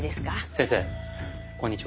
先生こんにちは。